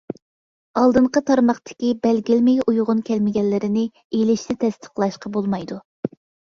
ئالدىنقى تارماقتىكى بەلگىلىمىگە ئۇيغۇن كەلمىگەنلىرىنى ئېلىشنى تەستىقلاشقا بولمايدۇ.